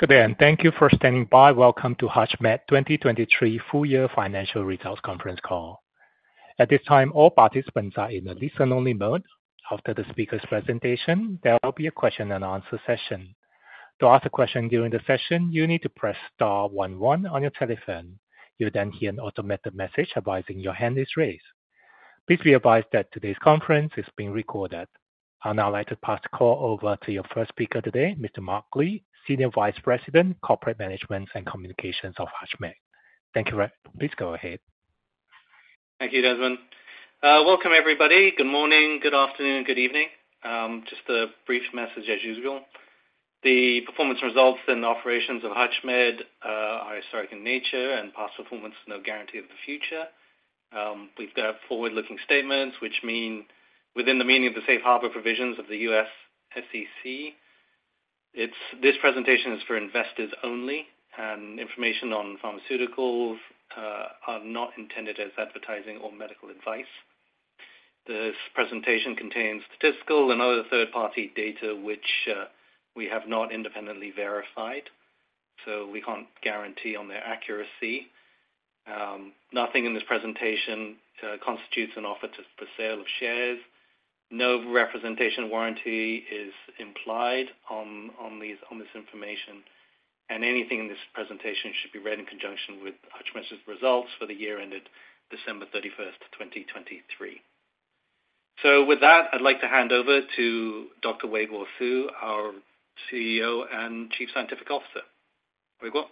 Good day, and thank you for standing by. Welcome to HUTCHMED 2023 Full Year Financial Results Conference Call. At this time, all participants are in a listen-only mode. After the speaker's presentation, there will be a question-and-answer session. To ask a question during the session, you need to press star one one on your telephone. You'll then hear an automated message advising your hand is raised. Please be advised that today's conference is being recorded. I'd now like to pass the call over to your first speaker today, Mr. Mark Lee, Senior Vice President, Corporate Management and Communications of HUTCHMED. Thank you, Mark. Please go ahead. Thank you, Desmond. Welcome, everybody. Good morning, good afternoon, good evening. Just a brief message as usual. The performance results and operations of HUTCHMED are historic in nature, and past performance is no guarantee of the future. We've got forward-looking statements, which mean within the meaning of the safe harbor provisions of the U.S. SEC. This presentation is for investors only, and information on pharmaceuticals are not intended as advertising or medical advice. This presentation contains statistical and other third-party data, which we have not independently verified, so we can't guarantee on their accuracy. Nothing in this presentation constitutes an offer to the sale of shares. No representation warranty is implied on, on these, on this information, and anything in this presentation should be read in conjunction with HUTCHMED's results for the year ended December 31, 2023. With that, I'd like to hand over to Dr. Weiguo Su, our CEO and Chief Scientific Officer. Weiguo?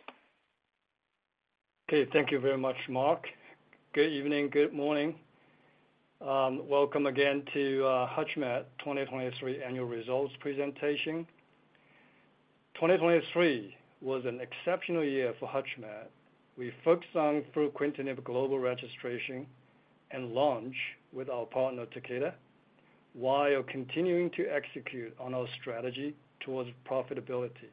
Okay, thank you very much, Mark. Good evening. Good morning. Welcome again to HUTCHMED 2023 annual results presentation. 2023 was an exceptional year for HUTCHMED. We focused on fruquintinib global registration and launch with our partner, Takeda, while continuing to execute on our strategy towards profitability.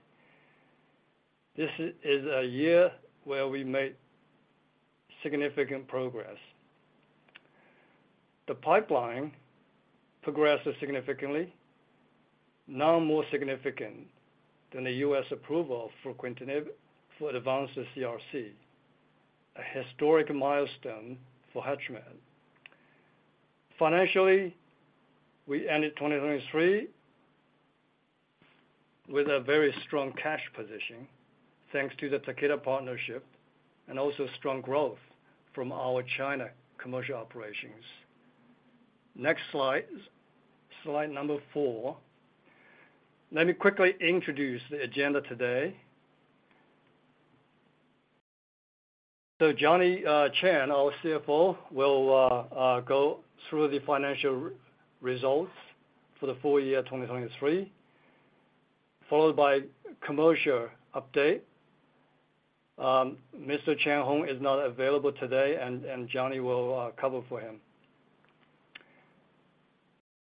This is a year where we made significant progress. The pipeline progresses significantly, none more significant than the U.S. approval for fruquintinib for advanced CRC, a historic milestone for HUTCHMED. Financially, we ended 2023 with a very strong cash position, thanks to the Takeda partnership and also strong growth from our China commercial operations. Next slide, slide number 4. Let me quickly introduce the agenda today. Johnny Cheng, our CFO, will go through the financial results for the full year 2023, followed by commercial update. Mr. Changhong is not available today, and Johnny will cover for him.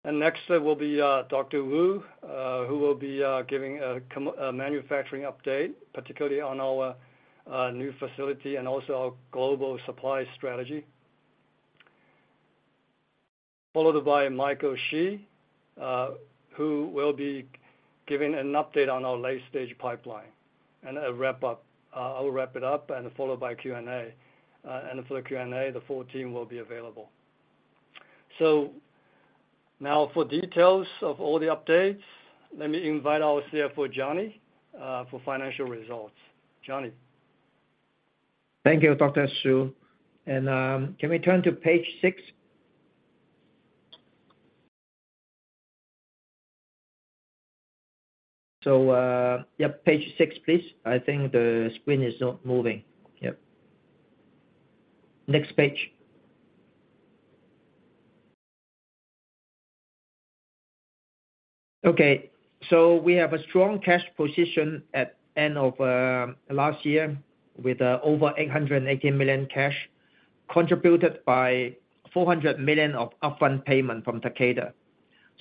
Next slide will be Dr. Wu, who will be giving a manufacturing update, particularly on our new facility and also our global supply strategy. Followed by Michael Shi, who will be giving an update on our late-stage pipeline and a wrap up. I will wrap it up and followed by Q&A. And for the Q&A, the full team will be available. So now for details of all the updates, let me invite our CFO, Johnny, for financial results. Johnny? Thank you, Dr. Su, and, can we turn to page 6? So, yep, page 6, please. I think the screen is not moving. Yep. Next page. Okay, so we have a strong cash position at end of last year with over $880 million cash, contributed by $400 million of upfront payment from Takeda.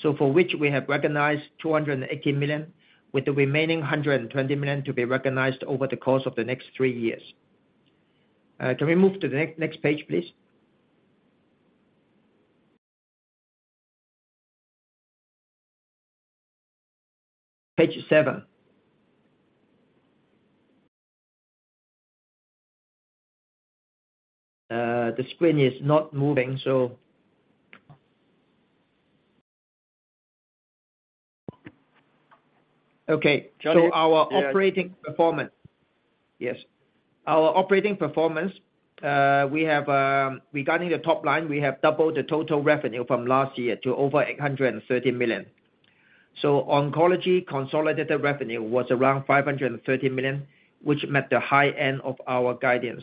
So for which we have recognized $280 million, with the remaining $120 million to be recognized over the course of the next three years. Can we move to the next page, please? Page 7. The screen is not moving, so, Okay. Johnny, yes. So our operating performance. Yes, our operating performance, we have, regarding the top line, we have doubled the total revenue from last year to over $830 million. So oncology consolidated revenue was around $530 million, which met the high end of our guidance.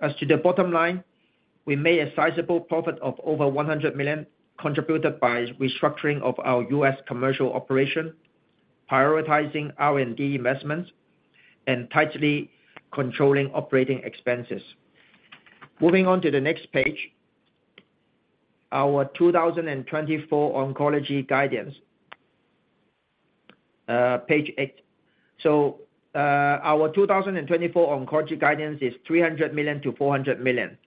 As to the bottom line, we made a sizable profit of over $100 million, contributed by restructuring of our US commercial operation, prioritizing R&D investments, and tightly controlling operating expenses. Moving on to the next page, our 2024 oncology guidance. Page eight. So, our 2024 oncology guidance is $300 million-$400 million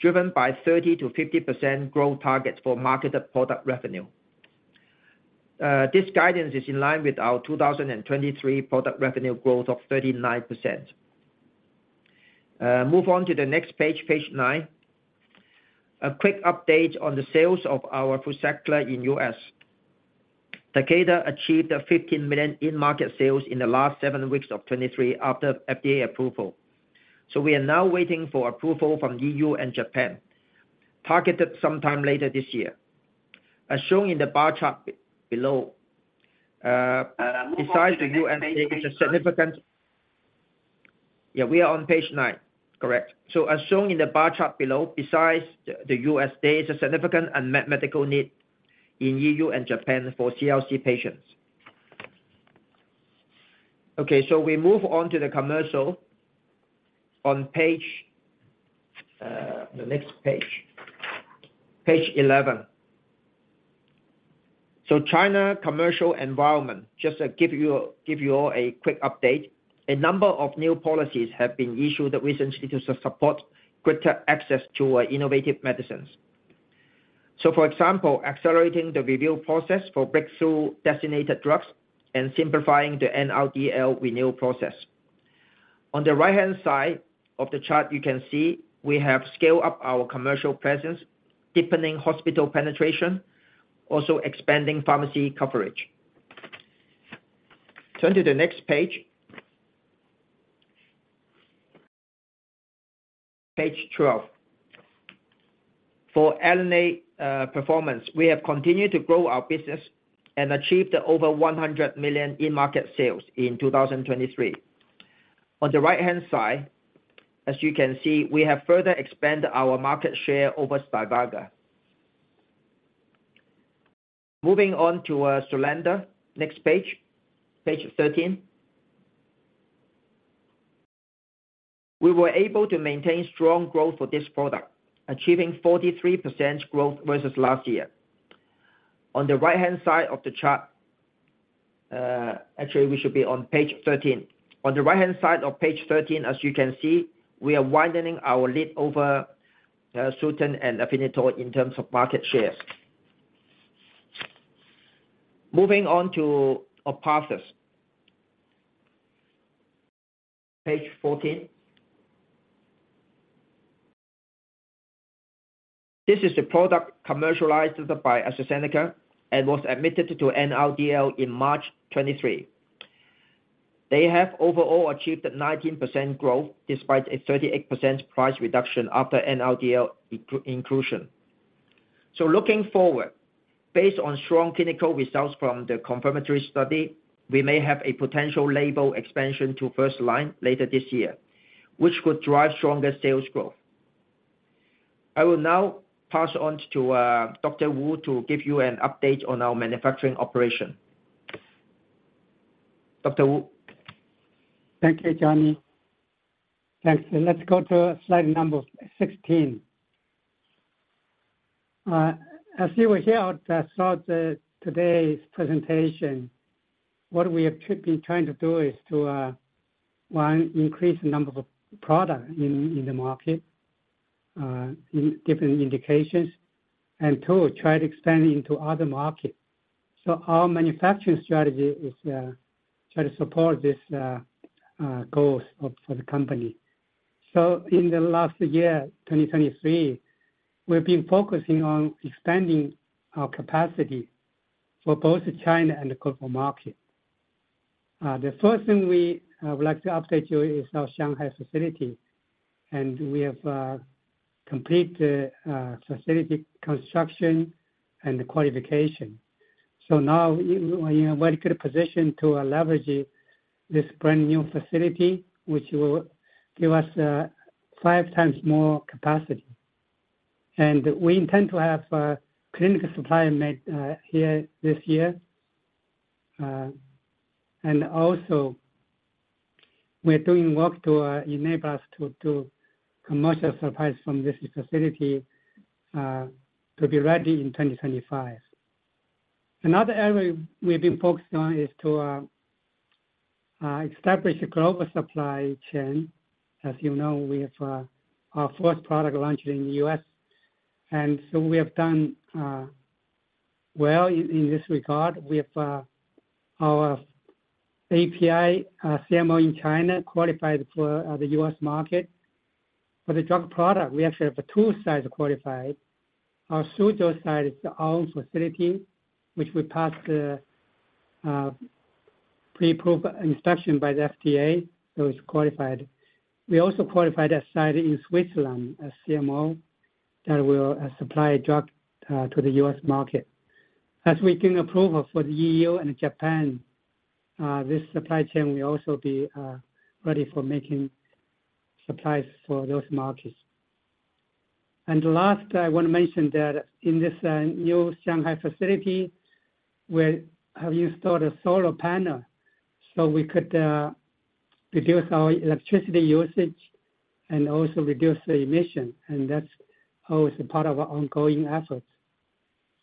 driven by 30%-50% growth targets for marketed product revenue. This guidance is in line with our 2023 product revenue growth of 39%. Move on to the next page, page 9. A quick update on the sales of our FRUZAQLA in U.S. Takeda achieved $15 million in-market sales in the last 7 weeks of 2023 after FDA approval. So we are now waiting for approval from E.U. and Japan, targeted sometime later this year. As shown in the bar chart below, besides the U.S., there is a significant unmet medical need in E.U. and Japan for CRC patients. Yeah, we are on page 9. Correct. So as shown in the bar chart below, besides the, the U.S. data, significant unmet medical need in E.U. and Japan for CRC patients. Okay, so we move on to the commercial on page, the next page, page 11. So China commercial environment, just to give you, give you all a quick update. A number of new policies have been issued recently to support quicker access to innovative medicines. So, for example, accelerating the review process for breakthrough designated drugs and simplifying the NRDL renewal process. On the right-hand side of the chart, you can see we have scaled up our commercial presence, deepening hospital penetration, also expanding pharmacy coverage. Turn to the next page, page 12. For ELUNATE performance, we have continued to grow our business and achieved over $100 million in-market sales in 2023. On the right-hand side, as you can see, we have further expanded our market share over Stivarga. Moving on to SULANDA. Next page, page 13. We were able to maintain strong growth for this product, achieving 43% growth versus last year. On the right-hand side of the chart, actually we should be on page 13. On the right-hand side of page 13, as you can see, we are widening our lead over, Sutent and Afinitor in terms of market shares. Moving on to ORPATHYS, page 14. This is the product commercialized by AstraZeneca and was admitted to NRDL in March 2023. They have overall achieved a 19% growth, despite a 38% price reduction after NRDL inclusion. So looking forward, based on strong clinical results from the confirmatory study, we may have a potential label expansion to first-line later this year, which could drive stronger sales growth. I will now pass on to, Dr. Wu to give you an update on our manufacturing operation. Dr. Wu? Thank you, Johnny. Thanks, and let's go to slide number 16. As you were here at throughout today's presentation, what we have been trying to do is to 1, increase the number of product in the market in different indications, and 2, try to expand into other markets. Our manufacturing strategy is try to support this goals of for the company. In the last year, 2023, we've been focusing on expanding our capacity for both the China and the global market. The first thing we would like to update you is our Shanghai facility, and we have complete the facility construction and the qualification. Now in a very good position to leverage it, this brand new facility, which will give us 5 times more capacity. We intend to have clinical supply made here this year. And also, we're doing work to enable us to commercial supplies from this facility to be ready in 2025. Another area we've been focusing on is to establish a global supply chain. As you know, we have our first product launched in the US, and so we have done well in this regard. We have our API CMO in China, qualified for the US market. For the drug product, we actually have two sites qualified. Our Suzhou site is our own facility, which we passed the pre-approve inspection by the FDA, so it's qualified. We also qualified a site in Switzerland, a CMO, that will supply drug to the US market. As we gain approval for the EU and Japan, this supply chain will also be ready for making supplies for those markets. And last, I want to mention that in this new Shanghai facility, we have installed a solar panel, so we could reduce our electricity usage and also reduce the emission, and that's always a part of our ongoing efforts.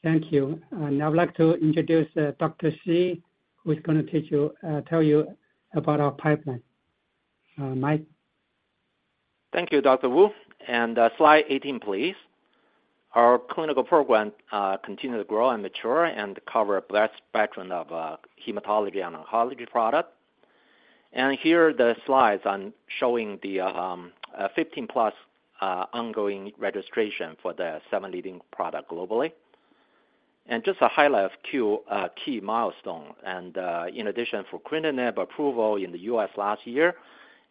Thank you. Now I'd like to introduce Dr. Shi, who is going to tell you about our pipeline. Mike? Thank you, Dr. Wu, and slide 18, please. Our clinical program continues to grow and mature and cover a broad spectrum of hematology and oncology product. Here, the slide showing the 15-plus ongoing registration for the seven leading product globally. Just to highlight a few key milestone, and in addition to fruquintinib approval in the U.S. last year,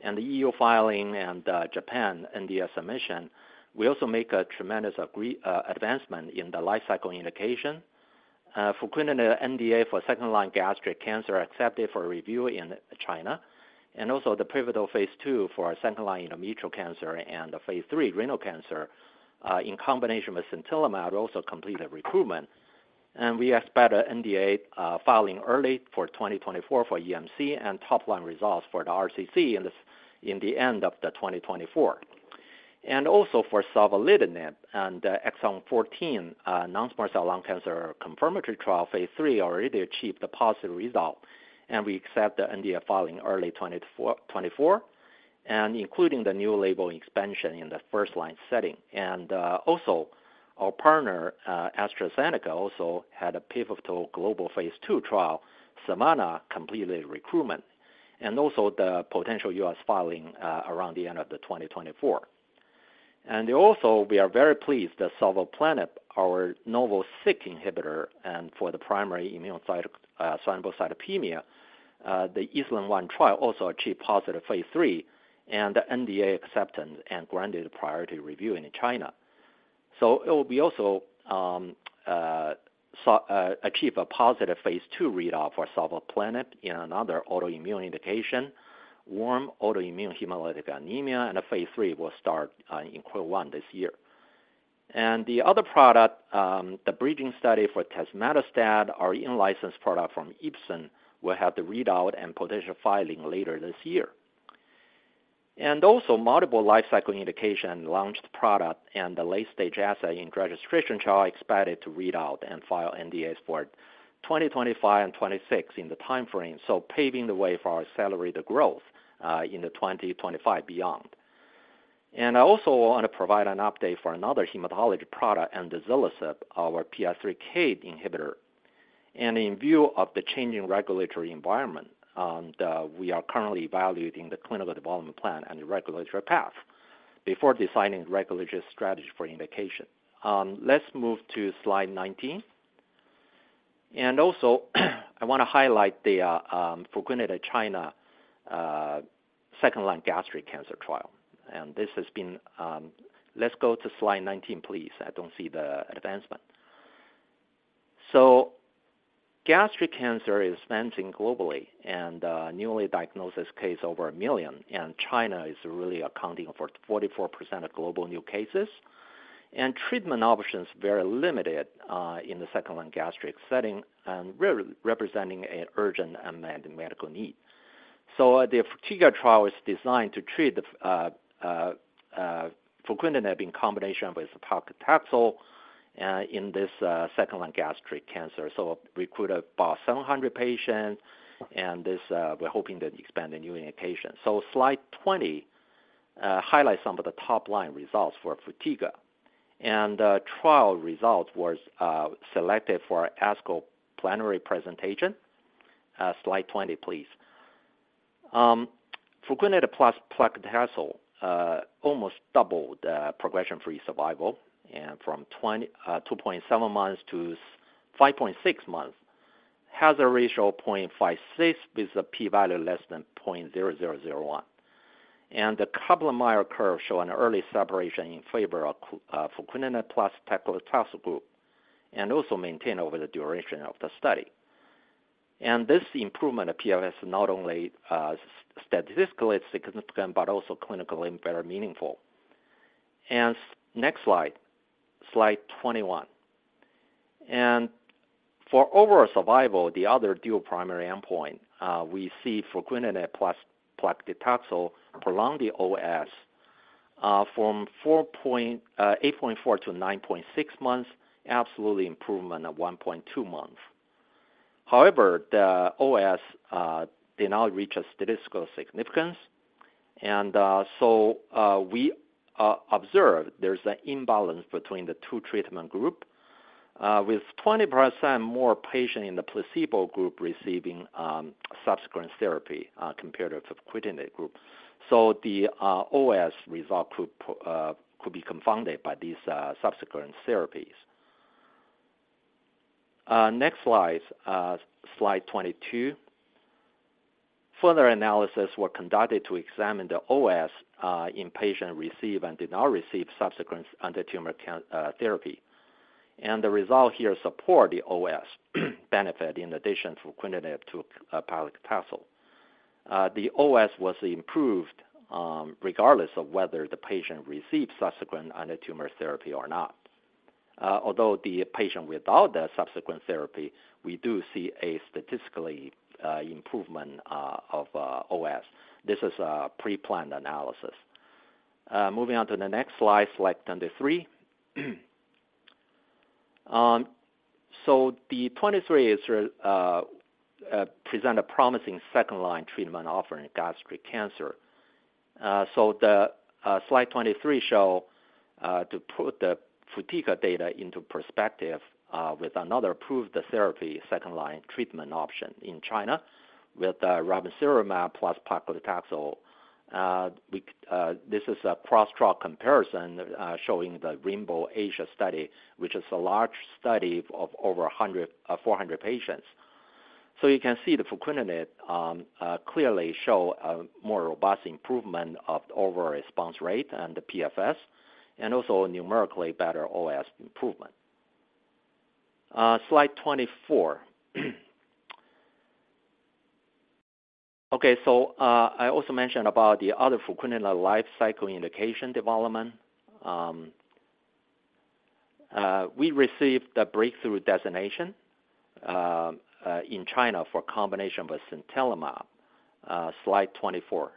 and the EU filing and Japan NDA submission, we also make a tremendous advancement in the life cycle indication. Fruquintinib NDA for second-line gastric cancer accepted for review in China, and also the pivotal phase II for second-line endometrial cancer and the phase III renal cancer in combination with sintilimab, also completed recruitment. We expect an NDA filing early 2024 for EMC and top line results for the RCC in the end of 2024. Also for savolitinib and exon 14 non-small cell lung cancer confirmatory trial phase III already achieved the positive result, and we expect the NDA filing early 2024, and including the new label expansion in the first line setting. Also, our partner AstraZeneca also had a pivotal global phase II trial, SAMETA, completed recruitment, and also the potential U.S. filing around the end of 2024. Also, we are very pleased that sovleplenib, our novel Syk inhibitor, and for primary immune thrombocytopenia, the phase III trial also achieved positive phase III and NDA acceptance and granted priority review in China. So it will be also achieve a positive phase II readout for sovleplenib in another autoimmune indication, warm autoimmune hemolytic anemia, and a phase III will start in Q1 this year. The other product, the bridging study for tazemetostat, our in-license product from Epizyme, will have the readout and potential filing later this year. Also multiple life cycle indication, launched product and the late-stage asset in registration trial, expanded to read out and file NDAs for 2025 and 2026 in the time frame, so paving the way for our accelerated growth in the 2025 beyond. And I also want to provide an update for another hematology product, tenalisib, our PI3K inhibitor. In view of the changing regulatory environment, we are currently evaluating the clinical development plan and the regulatory path before designing regulatory strategy for indication. Let's move to slide 19. And also, I want to highlight the fruquintinib China second-line gastric cancer trial. Let's go to slide 19, please. I don't see the advancement. So gastric cancer is advancing globally, and newly diagnosed cases over 1 million, and China is really accounting for 44% of global new cases. And treatment options very limited in the second-line gastric setting and representing an urgent unmet medical need. So the FRUTIGA trial is designed to treat the fruquintinib in combination with paclitaxel in this second-line gastric cancer. So recruit about 700 patients, and this, we're hoping to expand the new indication. So slide 20 highlights some of the top-line results for fruquintinib. Trial results was selected for ASCO plenary presentation. Slide 20, please. Fruquintinib plus paclitaxel almost doubled the progression-free survival, and from 2.7 months to 5.6 months, hazard ratio 0.56 is a p-value less than 0.0001. The Kaplan-Meier curve show an early separation in favor of fruquintinib plus paclitaxel group, and also maintain over the duration of the study. This improvement appears not only statistically significant, but also clinically meaningful. Next slide, slide 21. For overall survival, the other dual primary endpoint, we see fruquintinib plus paclitaxel prolong the OS from 8.4 to 9.6 months, absolute improvement of 1.2 months. However, the OS did not reach a statistical significance. So we observed there's an imbalance between the two treatment groups, with 20% more patients in the placebo group receiving subsequent therapy, compared to fruquintinib group. So the OS result could be confounded by these subsequent therapies. Next slide, slide 22. Further analyses were conducted to examine the OS in patients who received and did not receive subsequent anti-tumor therapy. And the results here support the OS benefit in addition of fruquintinib to paclitaxel. The OS was improved, regardless of whether the patient received subsequent anti-tumor therapy or not. Although the patients without the subsequent therapy, we do see a statistically improvement of OS. This is a pre-planned analysis. Moving on to the next slide, select number three. So the 23 is present a promising second line treatment offering in gastric cancer. So the slide 23 show to put the FUTICA data into perspective with another approved therapy, second line treatment option in China, with ramucirumab plus paclitaxel. We this is a cross trial comparison showing the Rainbow Asia study, which is a large study of over 100 400 patients. So you can see the fruquintinib clearly show a more robust improvement of the overall response rate and the PFS, and also a numerically better OS improvement. Slide 24. Okay, so I also mentioned about the other fruquintinib lifecycle indication development. We received the breakthrough designation in China for combination with sintilimab. Slide 24.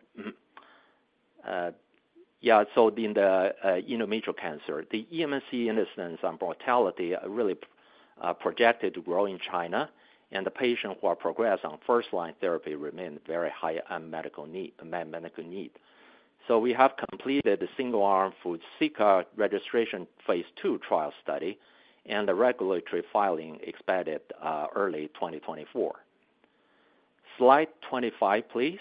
Yeah, so in the endometrial cancer, the EMC incidence and mortality are really projected to grow in China, and the patients who are progressed on first-line therapy remain very high unmet medical need, medical need. So we have completed the single-arm FRUSICA registration phase two trial study, and the regulatory filing expected early 2024. Slide 25, please.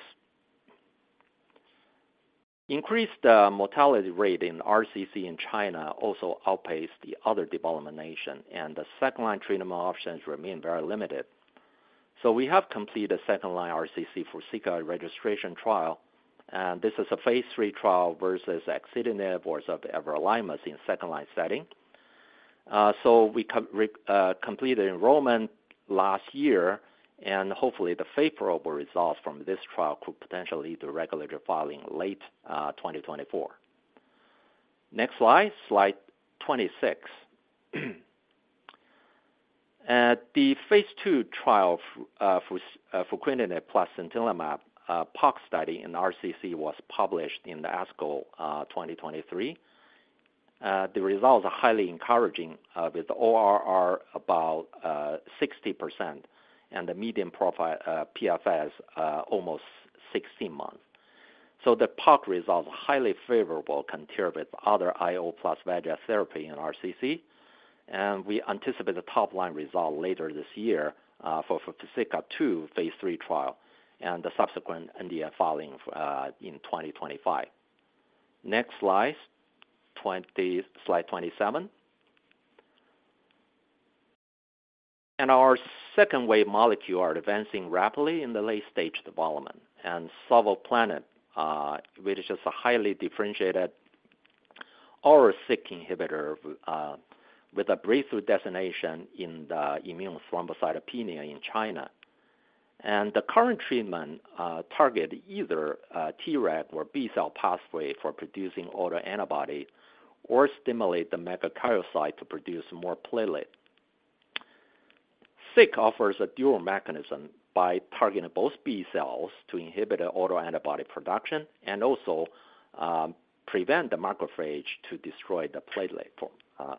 The increasing mortality rate in RCC in China also outpaces the other developed nations, and the second-line treatment options remain very limited. So we have completed a second-line RCC FRUSICA registration trial, and this is a phase three trial versus axitinib versus everolimus in second-line setting. So we completed enrollment last year, and hopefully, the favorable results from this trial could potentially lead to regulatory filing late 2024. Next slide, Slide 26. The phase 2 trial for fruquintinib plus sintilimab POC study in RCC was published in the ASCO 2023. The results are highly encouraging, with the ORR about 60% and the median PFS almost 16 months. So the POC results are highly favorable, compared with other IO plus VEGFR therapy in RCC, and we anticipate the top line result later this year FRUFRUSICA-2 phase 3 trial and the subsequent NDA filing in 2025. Next slide, slide 27. Our second wave molecules are advancing rapidly in the late-stage development. And Sovleplenib, which is a highly differentiated Syk inhibitor, with a breakthrough designation in the immune thrombocytopenia in China. The current treatment target either TREG or B cell pathway for producing autoantibody or stimulate the megakaryocyte to produce more platelets. Syk offers a dual mechanism by targeting both B cells to inhibit the autoantibody production and also prevent the macrophage to destroy the platelets.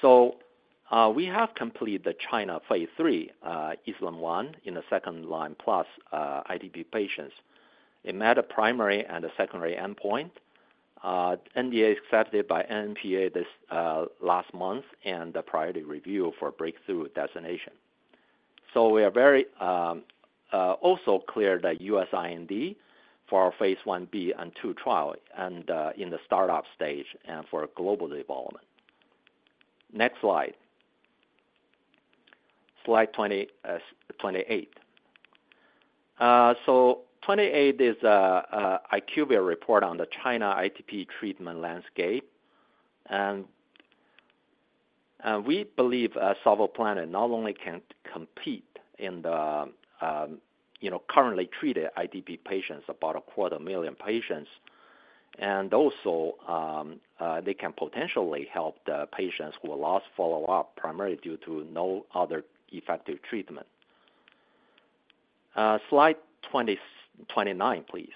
So, we have completed the China phase 3 SL-001 in the second line plus ITP patients. It met a primary and a secondary endpoint, NDA accepted by NMPA this last month, and the priority review for breakthrough designation. So we have also cleared the US IND for our phase 1b and 2 trial, and in the startup stage for global development. Next slide. Slide 28. So 28 is an IQVIA report on the China ITP treatment landscape. We believe sovleplenib not only can compete in the, you know, currently treated ITP patients, about 250,000 patients, and also they can potentially help the patients who are lost follow-up, primarily due to no other effective treatment. Slide 29, please.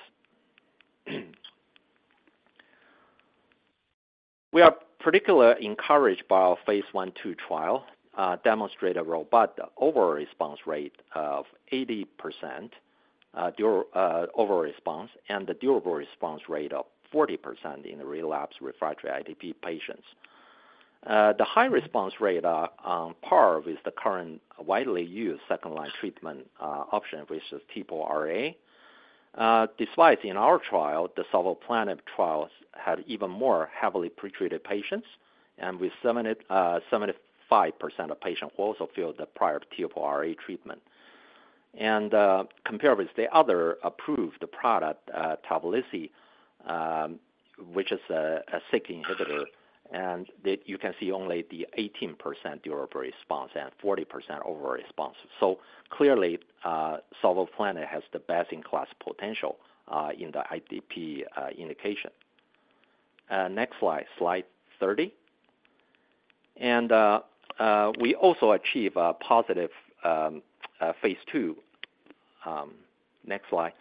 We are particularly encouraged by our phase 1/2 trial demonstrate a robust overall response rate of 80% and the durable response rate of 40% in the relapsed refractory ITP patients. The high response rate on par with the current widely used second-line treatment option, which is TPO-RA. Despite in our trial, the sovleplenib trials had even more heavily pretreated patients, and with 75% of patients who also failed the prior TPO-RA treatment. Compared with the other approved product, Tavalisse, which is a Syk inhibitor, and that you can see only the 18% durable response and 40% overall response. So clearly, sovleplenib has the best-in-class potential in the ITP indication. Next slide, slide 30.... And, we also achieve a positive phase two. Next slide.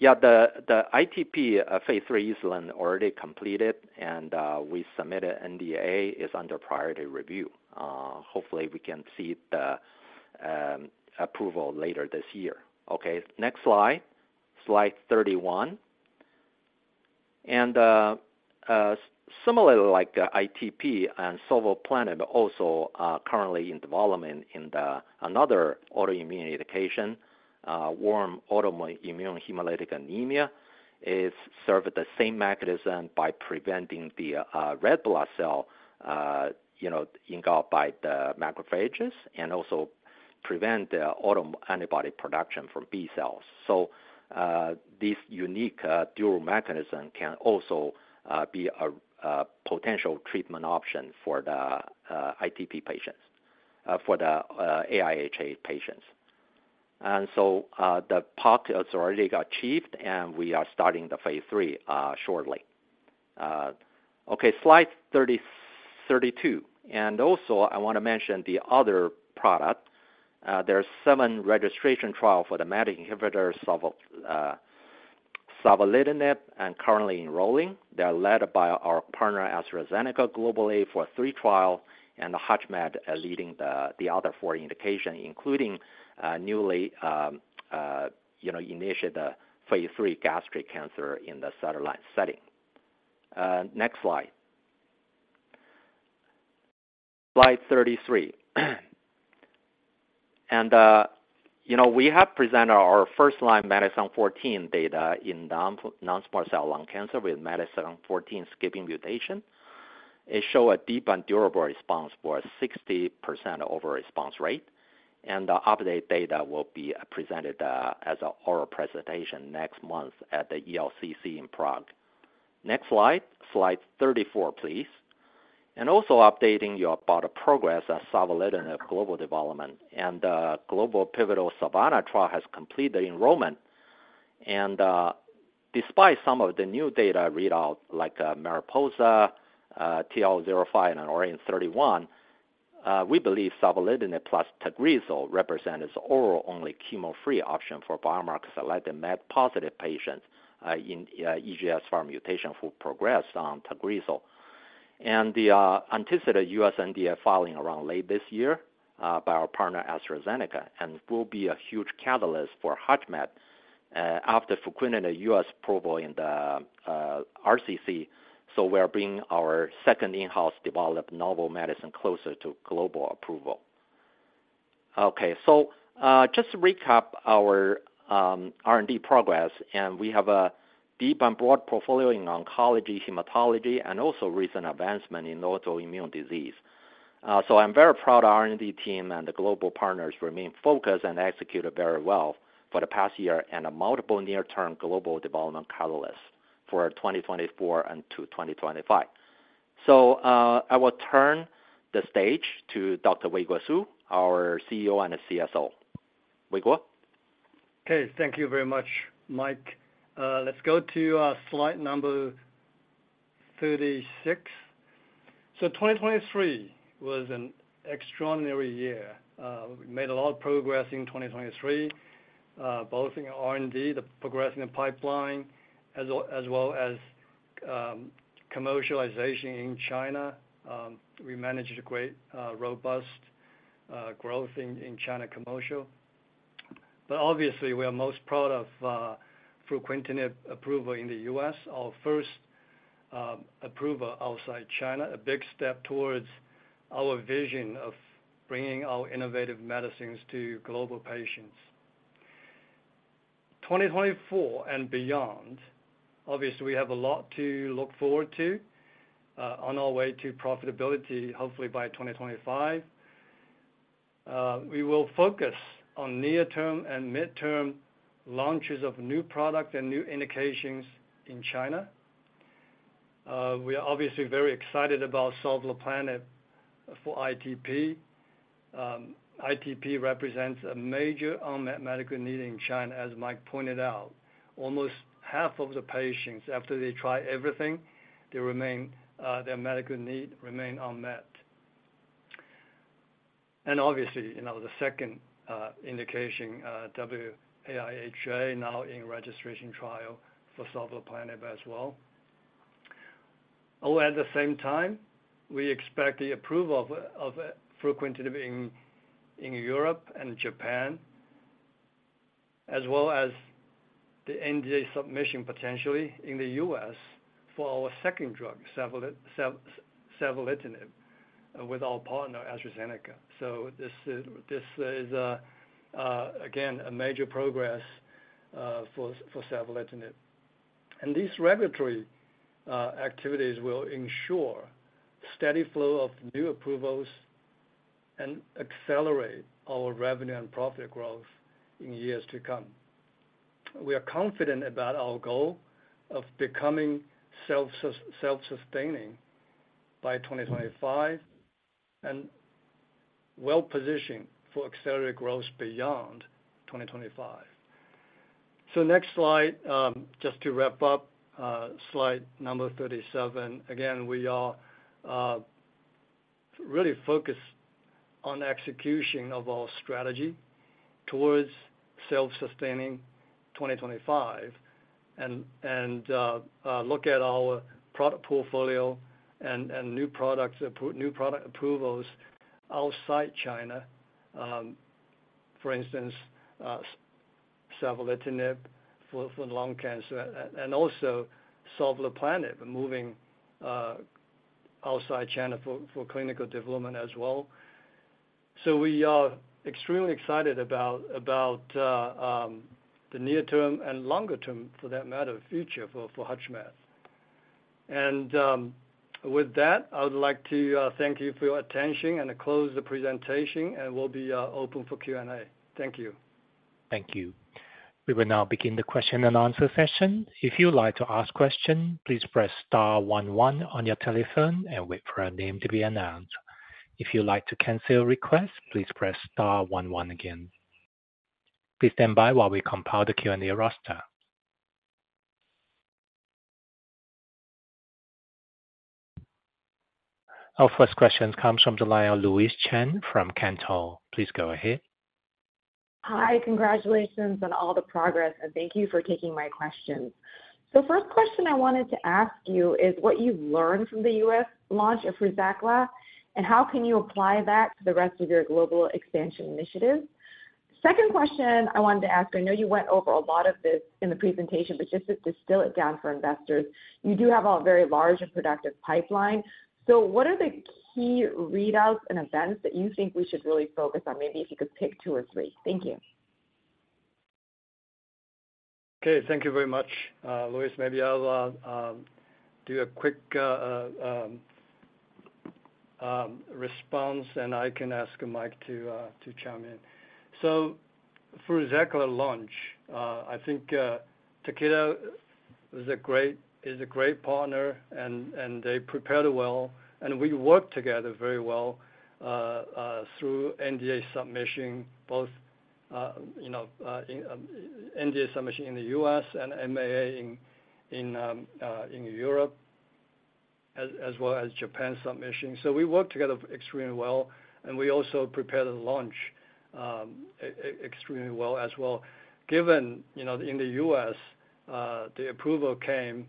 Yeah, the ITP phase three is already completed, and we submitted NDA, is under priority review. Hopefully, we can see the approval later this year. Okay, next slide, slide 31. Similarly, like ITP and sovleplenib also currently in development in another autoimmune indication, warm autoimmune hemolytic anemia, is served the same mechanism by preventing the red blood cell you know engulfed by the macrophages, and also prevent the auto-antibody production from B cells. So, this unique dual mechanism can also be a potential treatment option for the ITP patients for the AIHA patients. And so, the POC has already got achieved, and we are starting the phase 3 shortly. Okay, slide 32. And also, I want to mention the other product. There are seven registration trial for the MET inhibitor, savolitinib, and currently enrolling. They are led by our partner, AstraZeneca, globally for three trials, and HUTCHMED is leading the other four indications, including newly initiated phase three gastric cancer in the second-line setting. Next slide. Slide 33. And you know, we have presented our first-line MET exon 14 data in non-small cell lung cancer with MET exon 14 skipping mutation. It shows a deep and durable response for a 60% overall response rate, and the updated data will be presented as an oral presentation next month at the ELCC in Prague. Next slide, Slide 34, please. And also updating you about the progress of savolitinib global development, and global pivotal SAVANNAH trial has completed the enrollment. Despite some of the new data readout, like, Mariposa, TL05 and ORIENT-31, we believe savolitinib plus TAGRISSO represents oral only chemo-free option for biomarkers like the MET-positive patients in EGFR mutation who progress on TAGRISSO. The anticipated US NDA filing around late this year by our partner, AstraZeneca, will be a huge catalyst for HUTCHMED after fruquintinib in the US approval in the RCC, so we are bringing our second in-house developed novel medicine closer to global approval. Okay, so just to recap our R&D progress, and we have a deep and broad portfolio in oncology, hematology, and also recent advancement in autoimmune disease. So, I'm very proud our R&D team and the global partners remain focused and executed very well for the past year, and a multiple near-term global development catalysts for our 2024 and to 2025. So, I will turn the stage to Dr. Weiguo Su, our CEO and CSO. Weiguo? Okay, thank you very much, Mike. Let's go to slide number 36. So 2023 was an extraordinary year. We made a lot of progress in 2023, both in R&D, the progressing the pipeline, as well, as well as commercialization in China. We managed a great robust growth in China commercial. But obviously, we are most proud of fruquintinib approval in the U.S., our first approval outside China, a big step towards our vision of bringing our innovative medicines to global patients. 2024 and beyond, obviously, we have a lot to look forward to, on our way to profitability, hopefully by 2025. We will focus on near-term and midterm launches of new product and new indications in China. We are obviously very excited about Sovleplenib for ITP. ITP represents a major unmet medical need in China, as Mike pointed out. Almost half of the patients, after they try everything, they remain, their medical need remain unmet. And obviously, you know, the second indication, W-AIHA, now in registration trial for Sovleplenib as well. Oh, at the same time, we expect the approval of fruquintinib in Europe and Japan, as well as the NDA submission, potentially in the U.S. for our second drug, savolitinib, with our partner, AstraZeneca. So this is, this is, again, a major progress, for savolitinib. And these regulatory activities will ensure steady flow of new approvals and accelerate our revenue and profit growth in years to come. We are confident about our goal of becoming self-sustaining by 2025, and well-positioned for accelerated growth beyond 2025.... So next slide, just to wrap up, slide number 37. Again, we are really focused on execution of our strategy towards self-sustaining 2025. And look at our product portfolio and new product approvals outside China. For instance, savolitinib for lung cancer and also sovleplenib, moving outside China for clinical development as well. So we are extremely excited about the near term and longer term, for that matter, future for HUTCHMED. And with that, I would like to thank you for your attention and close the presentation, and we'll be open for Q&A. Thank you. Thank you. We will now begin the question and answer session. If you'd like to ask question, please press star one one on your telephone and wait for your name to be announced. If you'd like to cancel your request, please press star one one again. Please stand by while we compile the Q&A roster. Our first question comes from the line of Louise Chen from Cantor. Please go ahead. Hi, congratulations on all the progress, and thank you for taking my questions. First question I wanted to ask you is what you've learned from the US launch of FRUZAQLA, and how can you apply that to the rest of your global expansion initiative? Second question I wanted to ask, I know you went over a lot of this in the presentation, but just to distill it down for investors, you do have a very large and productive pipeline. What are the key readouts and events that you think we should really focus on? Maybe if you could pick two or three. Thank you. Okay, thank you very much, Louise. Maybe I'll do a quick response, and I can ask Mike to chime in. So FRUZAQLA launch, I think, Takeda is a great partner, and they prepared well, and we worked together very well through NDA submission, both, you know, in NDA submission in the U.S. and MAA in Europe, as well as Japan submission. So we worked together extremely well, and we also prepared the launch extremely well as well. Given, you know, in the U.S., the approval came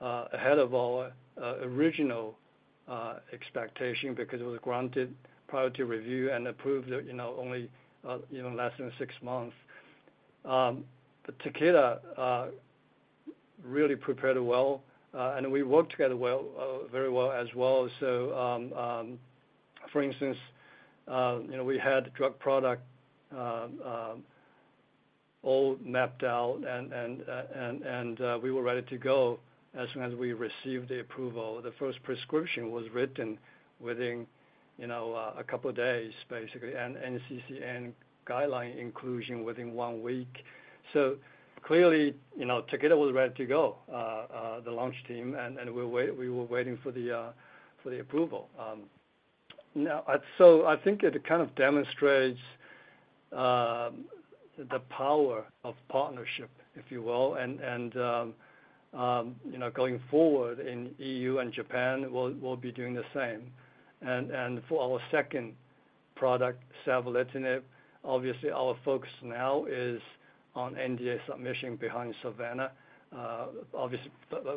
ahead of our original expectation because it was granted priority review and approved, you know, only less than six months. But Takeda really prepared well, and we worked together well, very well as well. So, for instance, you know, we had drug product all mapped out and we were ready to go as soon as we received the approval. The first prescription was written within, you know, a couple of days, basically, and NCCN guideline inclusion within 1 week. So clearly, you know, Takeda was ready to go, the launch team, and we were waiting for the approval. Now, so I think it kind of demonstrates the power of partnership, if you will, and you know, going forward in EU and Japan, we'll be doing the same. For our second product, savolitinib, obviously, our focus now is on NDA submission behind savolitinib. Obviously,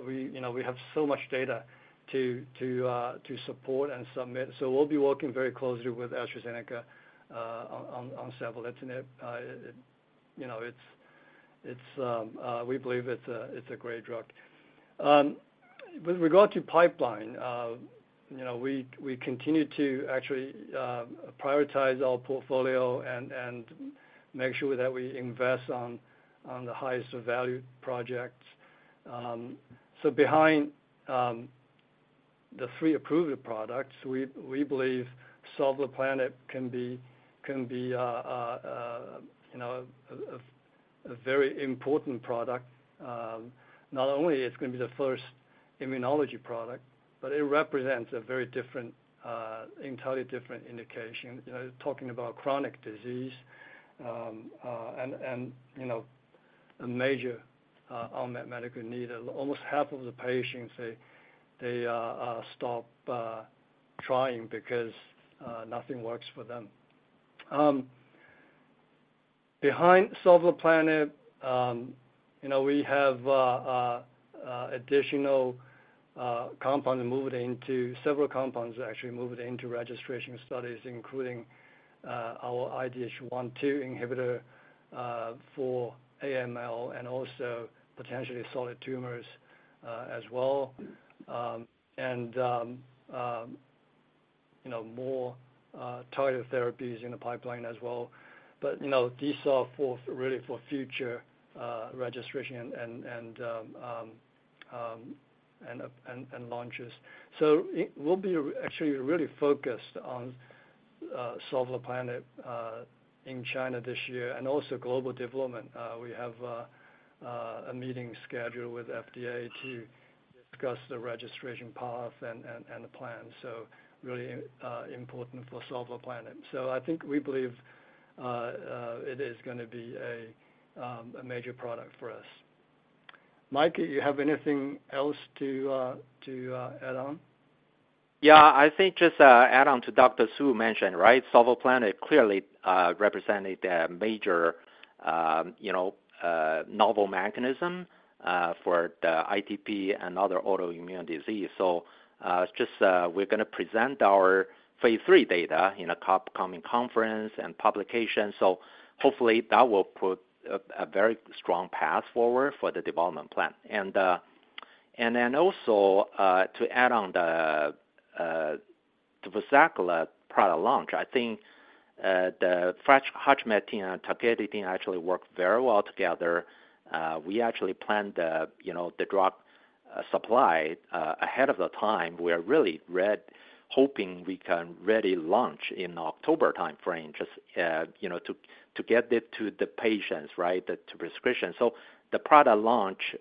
we, you know, we have so much data to support and submit, so we'll be working very closely with AstraZeneca on savolitinib. You know, it's, it's, we believe it's a great drug. With regard to pipeline, you know, we continue to actually prioritize our portfolio and make sure that we invest on the highest value projects. So behind the three approved products, we believe sovleplenib can be, you know, a very important product. Not only it's going to be the first immunology product, but it represents a very different, entirely different indication. You know, talking about chronic disease, and you know, a major unmet medical need. Almost half of the patients stop trying because nothing works for them. Behind Sovleplenib, you know, we have several compounds, actually, moved into registration studies, including our IDH1/2 inhibitor for AML and also potentially solid tumors, as well. And you know, more targeted therapies in the pipeline as well. But you know, these are really for future registration and launches. We'll be actually really focused on Sovleplenib in China this year and also global development. We have a meeting scheduled with FDA to discuss the registration path and the plan. Really, important for Sovleplenib. I think we believe it is gonna be a major product for us. Mike, you have anything else to add on? Yeah, I think just add on to what Dr. Su mentioned, right? Sovleplenib clearly represented a major, you know, novel mechanism for the ITP and other autoimmune disease. So just, we're gonna present our phase 3 data in an upcoming conference and publication. So hopefully that will put a very strong path forward for the development plan. And then also to add on to the FRUZAQLA product launch, I think the FRUZAQLA commercial team and Takeda team actually worked very well together. We actually planned the, you know, the drug supply ahead of the time. We are really ready, hoping we can ready launch in October timeframe, just you know to get it to the patients, right? To the prescription. So the product launch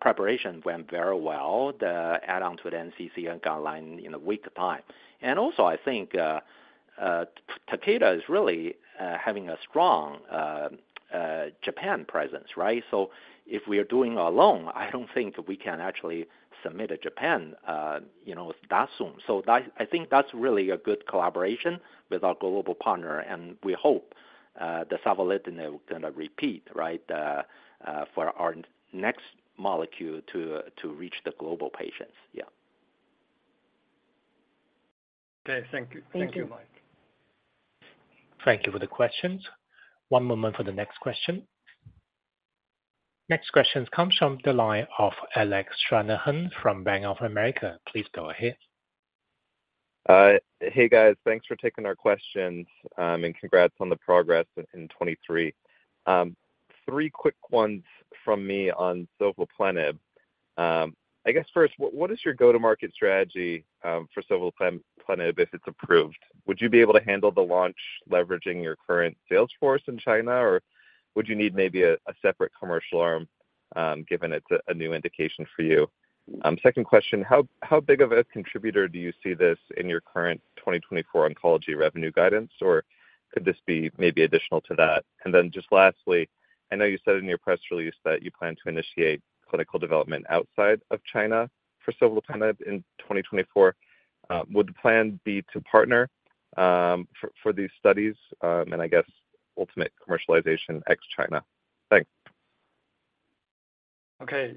preparation went very well. The add-on to the NCCN guideline in a week's time. And also, I think, Takeda is really having a strong Japan presence, right? So if we are doing alone, I don't think we can actually submit to Japan, you know, that soon. So that, I think that's really a good collaboration with our global partner, and we hope the savolitinib gonna repeat, right, for our next molecule to reach the global patients. Yeah. Okay. Thank you. Thank you. Thank you, Mike. Thank you for the questions. One moment for the next question. Next question comes from the line of Alec Stranahan, from Bank of America. Please go ahead. Hey, guys. Thanks for taking our questions, and congrats on the progress in 2023. Three quick ones from me on savolitinib. I guess first, what is your go-to-market strategy for savolitinib, if it's approved? Would you be able to handle the launch, leveraging your current sales force in China, or would you need maybe a separate commercial arm, given it's a new indication for you? Second question, how big of a contributor do you see this in your current 2024 oncology revenue guidance, or could this be maybe additional to that? And then just lastly, I know you said in your press release that you plan to initiate clinical development outside of China for savolitinib in 2024. Would the plan be to partner for these studies, and I guess ultimate commercialization, ex-China? Thanks. Okay,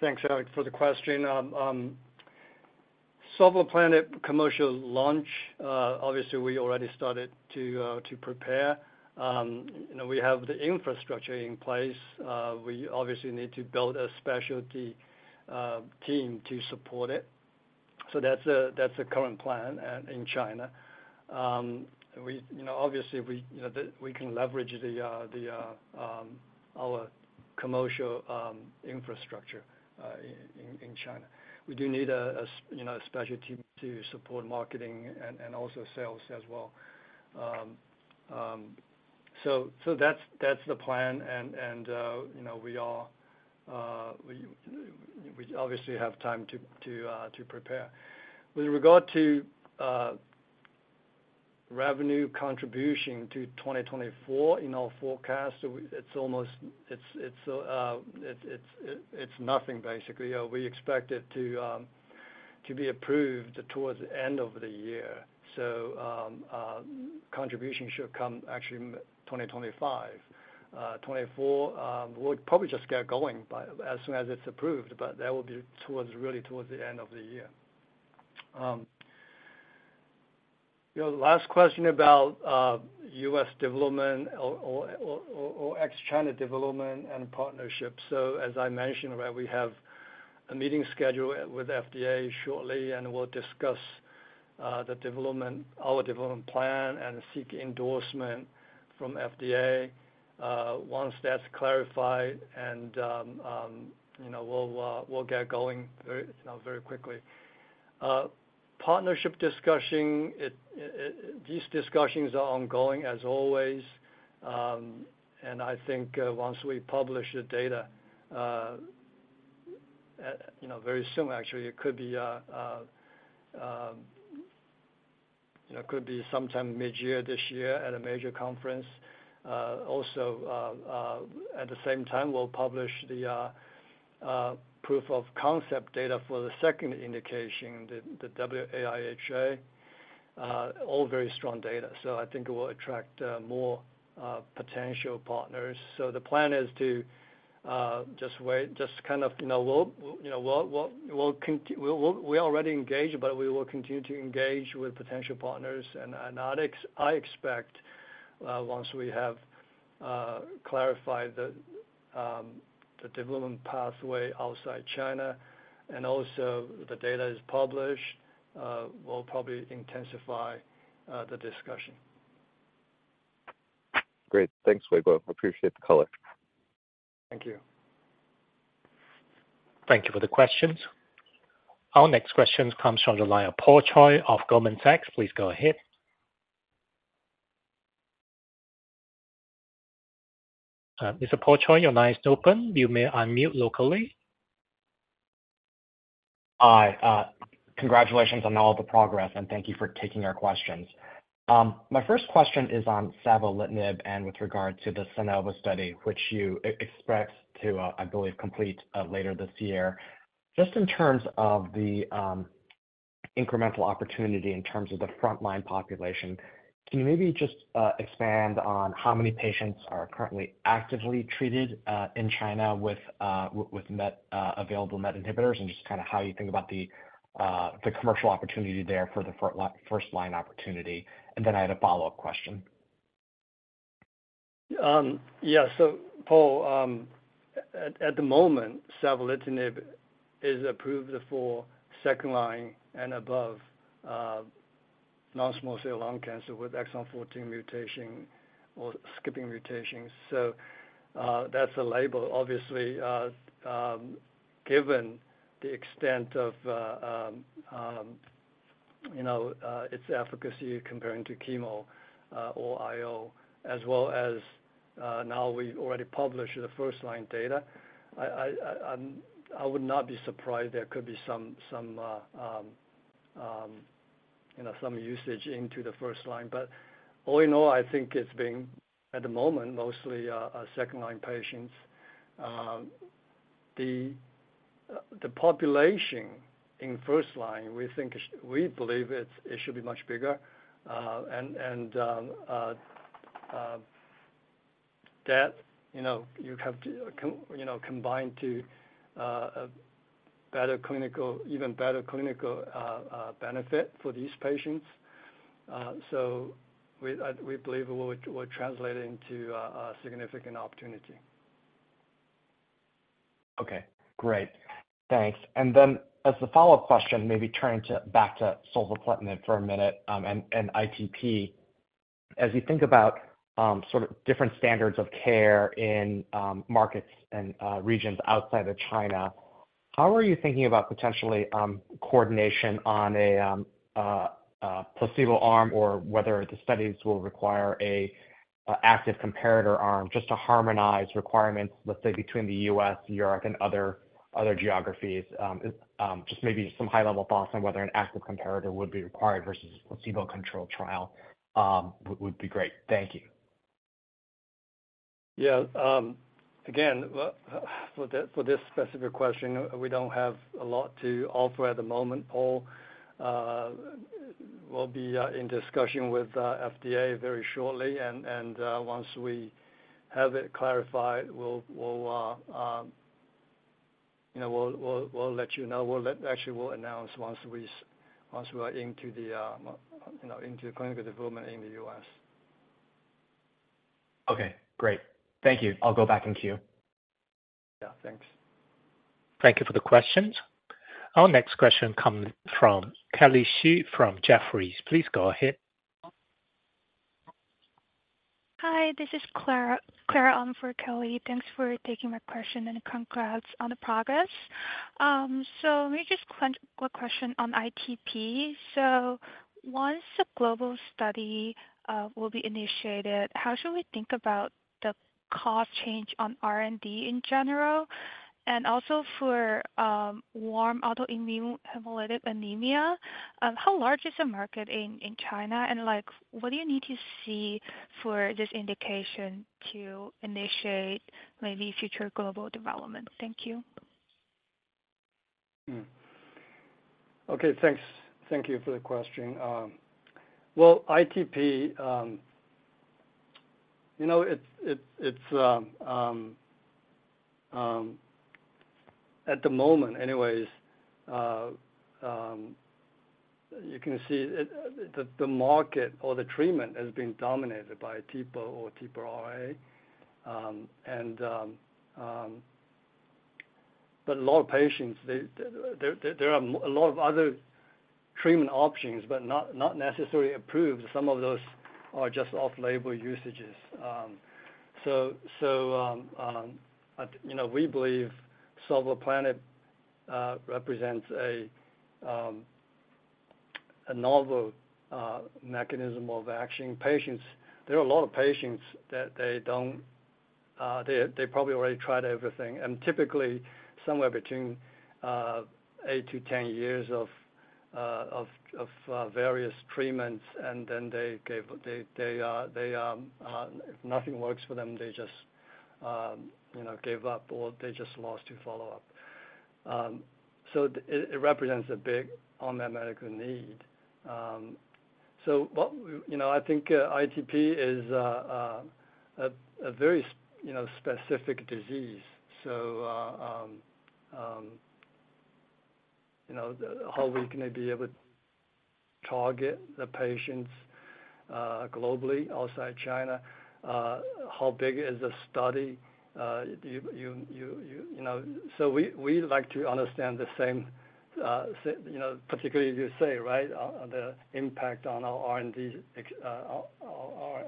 thanks, Alex, for the question. Savolitinib commercial launch, obviously, we already started to prepare. You know, we have the infrastructure in place. We obviously need to build a specialty team to support it. So that's the current plan in China. We, you know, obviously, we can leverage our commercial infrastructure in China. We do need a special team to support marketing and also sales as well. So that's the plan. And you know, we obviously have time to prepare. With regard to revenue contribution to 2024 in our forecast, it's almost nothing basically. We expect it to be approved towards the end of the year. So, contribution should come actually in 2025. 2024, we'll probably just get going by, as soon as it's approved, but that will be towards, really towards the end of the year. You know, the last question about U.S. development or ex-China development and partnerships. So as I mentioned, right, we have a meeting scheduled with FDA shortly, and we'll discuss the development, our development plan and seek endorsement from FDA. Once that's clarified and, you know, we'll get going very, you know, very quickly. Partnership discussion, these discussions are ongoing, as always. And I think once we publish the data, you know, very soon, actually, it could be, you know, could be sometime mid-year, this year at a major conference. Also, at the same time, we'll publish the proof of concept data for the second indication, the W-AIHA. All very strong data. So I think it will attract more potential partners. So the plan is to just wait, just kind of, you know, we'll, we already engaged, but we will continue to engage with potential partners. And I expect once we have clarified the development pathway outside China, and also the data is published, we'll probably intensify the discussion. Great. Thanks, Weiguo. Appreciate the color. Thank you. Thank you for the questions. Our next question comes from the line of Paul Choi, of Goldman Sachs. Please go ahead. Mr. Paul Choi, your line is open. You may unmute locally. Hi, congratulations on all the progress, and thank you for taking our questions. My first question is on savolitinib, and with regard to the SANOVO study, which you expect to, I believe, complete later this year. Just in terms of the incremental opportunity in terms of the frontline population, can you maybe just expand on how many patients are currently actively treated in China with available MET inhibitors? And just kind of how you think about the commercial opportunity there for the first-line opportunity. And then I had a follow-up question. Yeah. So Paul, at the moment, savolitinib is approved for second-line and above, non-small cell lung cancer with exon 14 mutation or skipping mutations. So, that's a label, obviously, you know, its efficacy comparing to chemo, or IO, as well as, now we already published the first-line data. I would not be surprised there could be some, you know, some usage into the first-line. But all in all, I think it's been, at the moment, mostly, a second-line patients. The population in first-line, we think is- we believe it should be much bigger. that, you know, you have to combine to a better clinical, even better clinical, benefit for these patients. So we believe will translate into a significant opportunity. Okay, great. Thanks. And then, as a follow-up question, maybe turning to, back to Sovleplenib for a minute, and ITP. As you think about, sort of different standards of care in, markets and, regions outside of China, how are you thinking about potentially, coordination on a, a placebo arm, or whether the studies will require a, active comparator arm, just to harmonize requirements, let's say, between the U.S., Europe, and other, other geographies? Just maybe some high-level thoughts on whether an active comparator would be required versus a placebo-controlled trial, would be great. Thank you. Yeah. Again, well, for this specific question, we don't have a lot to offer at the moment, Paul. We'll be in discussion with FDA very shortly, and once we have it clarified, we'll, you know, we'll let you know. Actually, we'll announce once we are into the clinical development in the US. Okay, great. Thank you. I'll go back in queue. Yeah, thanks. Thank you for the questions. Our next question comes from Kelly Shi from Jefferies. Please go ahead. Hi, this is Clara on for Kelly. Thanks for taking my question, and congrats on the progress. So let me just ask a quick question on ITP. So once the global study will be initiated, how should we think about the cost change on R&D in general? And also for warm autoimmune hemolytic anemia, how large is the market in China? And, like, what do you need to see for this indication to initiate maybe future global development? Thank you. Okay, thanks. Thank you for the question. Well, ITP, you know, it's at the moment anyways, you can see it, the market or the treatment has been dominated by TPO or TPO-RA. And but a lot of patients, they, there are a lot of other treatment options, but not necessarily approved. Some of those are just off-label usages. So, you know, we believe sovleplenib represents a novel mechanism of action. Patients, there are a lot of patients that they don't, they probably already tried everything, and typically, somewhere between 8-10 years of various treatments, and then if nothing works for them, they just, you know, gave up or they just lost to follow-up. So it, it represents a big unmet medical need. So what—you know, I think, ITP is a very—you know, specific disease. So, you know, how we're gonna be able to target the patients, globally, outside China, how big is the study? You know, so we'd like to understand the same, you know, particularly you say, right, the impact on our R&D expenses, our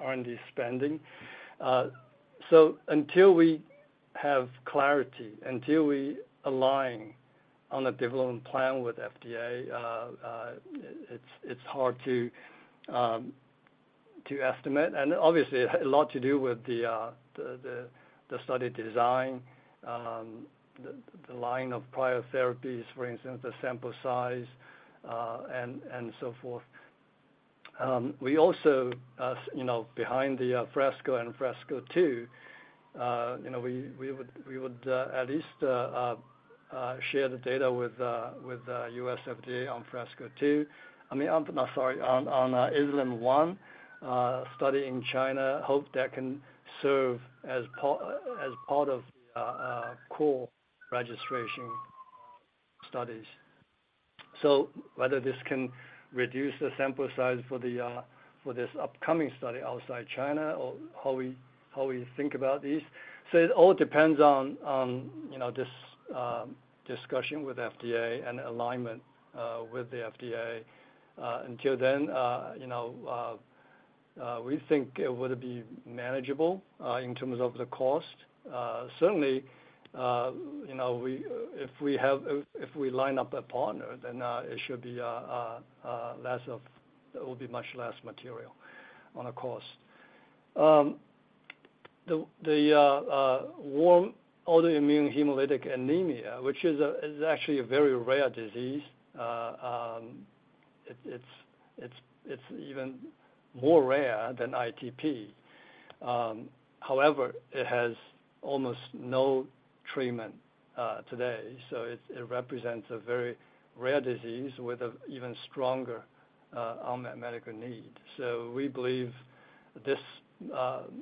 R&D spending. So until we have clarity, until we align on a development plan with FDA, it's hard to estimate. And obviously, it had a lot to do with the study design, the line of prior therapies, for instance, the sample size, and so forth. We also, as you know, behind the FRESCO and FRESCO-2, you know, we would at least share the data with U.S. FDA on FRESCO-2. I mean, no, sorry, on ESLIM-01 study in China, hope that can serve as part of core registration studies. So whether this can reduce the sample size for this upcoming study outside China or how we think about this. So it all depends on, you know, this discussion with FDA and alignment with the FDA. Until then, you know, we think it would be manageable in terms of the cost. Certainly, you know, if we line up a partner, then it will be much less material on the cost. The warm autoimmune hemolytic anemia, which is actually a very rare disease. It's even more rare than ITP. However, it has almost no treatment today, so it represents a very rare disease with an even stronger unmet medical need. So we believe this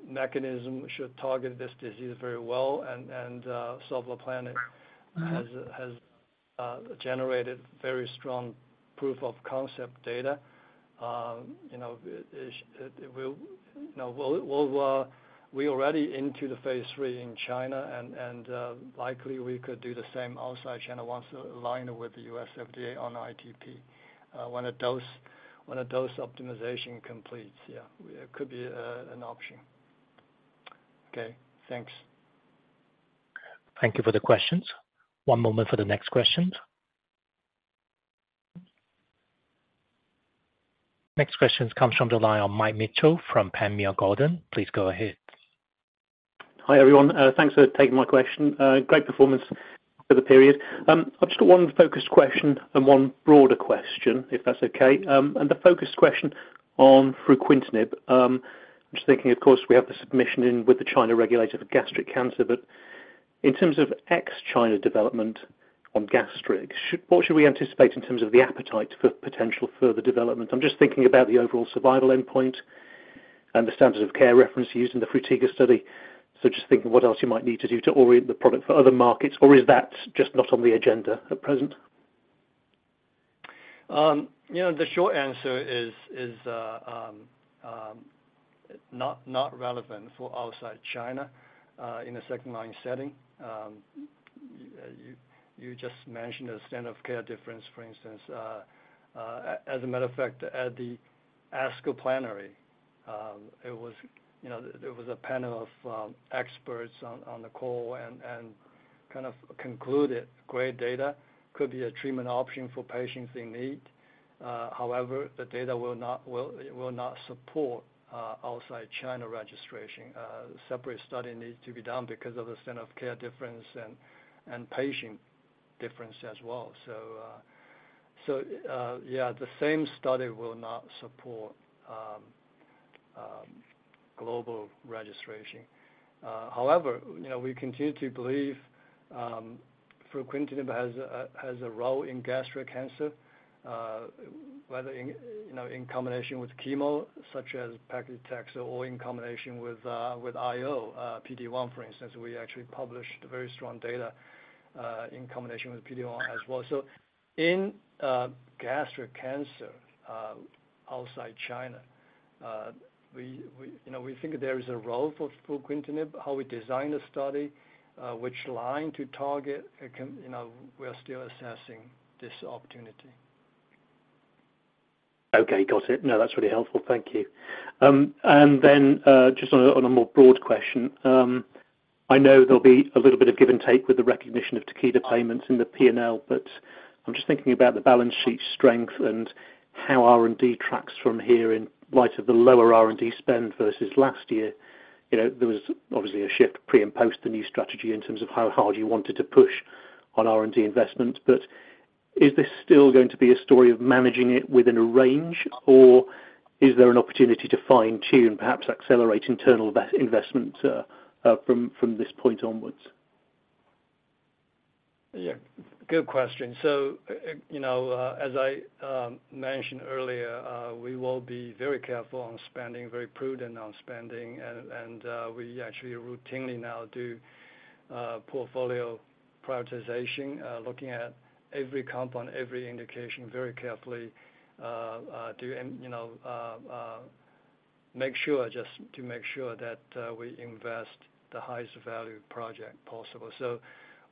mechanism should target this disease very well, and Sovleplenib- Mm-hmm. has generated very strong proof of concept data. You know, it will, you know, we'll, we're already into the phase three in China and likely we could do the same outside China once aligned with the U.S. FDA on ITP. When a dose optimization completes, yeah, it could be an option. Okay, thanks. Thank you for the questions. One moment for the next questions. Next questions comes from the line of Mike Mitchell from Panmure Gordon. Please go ahead. Hi, everyone, thanks for taking my question. Great performance for the period. I've just got one focused question and one broader question, if that's okay. And the focused question on fruquintinib. I'm just thinking, of course, we have the submission in with the China regulator for gastric cancer, but in terms of ex-China development on gastric, what should we anticipate in terms of the appetite for potential further development? I'm just thinking about the overall survival endpoint and the standard of care reference used in the FRUTIGA study. So just thinking, what else you might need to do to orient the product for other markets, or is that just not on the agenda at present? You know, the short answer is not relevant for outside China in a second-line setting. You just mentioned a standard of care difference, for instance. As a matter of fact, at the ASCO plenary, it was, you know, there was a panel of experts on the call and kind of concluded great data, could be a treatment option for patients in need. However, the data will not support outside China registration. Separate study needs to be done because of the standard of care difference and patient difference as well. So, yeah, the same study will not support global registration. However, you know, we continue to believe, fruquintinib has a, has a role in gastric cancer, whether in, you know, in combination with chemo, such as paclitaxel or in combination with, with IO, PD-1, for instance. We actually published very strong data, in combination with PD-1 as well. So in, gastric cancer, outside China, we, we, you know, we think there is a role for fruquintinib, how we design the study, which line to target, it can, you know, we are still assessing this opportunity. Okay, got it. No, that's really helpful. Thank you. And then, just on a more broad question. I know there'll be a little bit of give and take with the recognition of Takeda payments in the P&L, but I'm just thinking about the balance sheet strength and how R&D tracks from here in light of the lower R&D spend versus last year. You know, there was obviously a shift pre and post the new strategy in terms of how hard you wanted to push on R&D investment, but is this still going to be a story of managing it within a range, or is there an opportunity to fine-tune, perhaps accelerate internal investment from this point onwards? Yeah, good question. So, you know, as I mentioned earlier, we will be very careful on spending, very prudent on spending, and, we actually routinely now do portfolio prioritization, looking at every compound, every indication very carefully, to, and, you know, make sure, just to make sure that, we invest the highest value project possible. So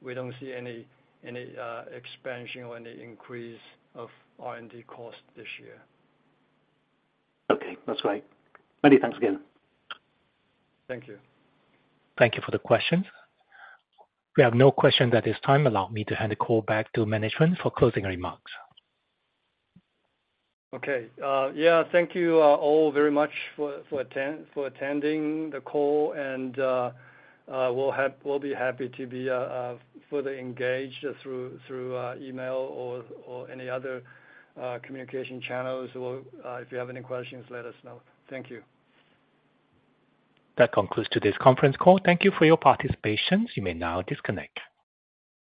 we don't see any, any, expansion or any increase of R&D cost this year. Okay, that's great. Many thanks again. Thank you. Thank you for the question. We have no question at this time. Allow me to hand the call back to management for closing remarks. Okay. Yeah, thank you all very much for attending the call, and we'll be happy to be further engaged through email or any other communication channels, or if you have any questions, let us know. Thank you. That concludes today's conference call. Thank you for your participation. You may now disconnect.